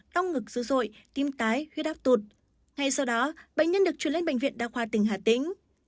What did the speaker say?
đau ngực dữ dội tim tái huyết áp tụt ngay sau đó bệnh nhân được chuyển lên bệnh viện đa khoa tỉnh hà tĩnh